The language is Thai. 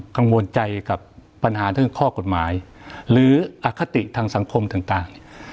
กังวลใจกับปัญหาเรื่องข้อกฎหมายหรืออคติทางสังคมต่าง